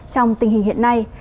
trong tình hình hiện nay